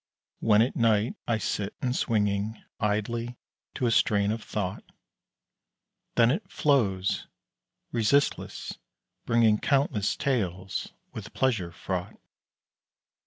When at night I sit and swinging Idly to a strain of thought, Then it flows, resistless, bringing Countless tales with pleasure fraught.